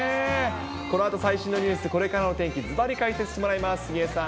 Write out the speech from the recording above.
このあと、最新のニュース、これからの天気、ずばり解説してもらいます。